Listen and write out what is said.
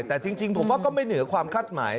แต่จริงผมว่าก็ไม่เหนือความคาดหมาย